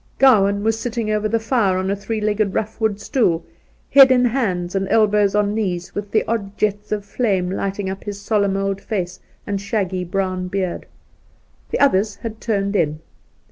Gowan was sitting over the fire on a three legged rough wood stool, head in hands and elbows on knees, with the odd jets of flame lighting up his solemn old face a,nd shaggy brown beard. The others had turned in.